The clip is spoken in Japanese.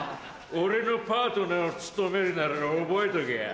俺のパートナーを務めるなら覚えとけよ。